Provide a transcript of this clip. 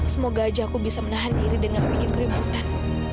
semoga saja aku bisa menahan diri dan tidak bikin keributan